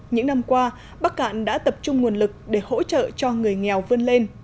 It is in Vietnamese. những năm qua bắc cạn đã tập trung nguồn lực để hỗ trợ cho người nghèo vươn lên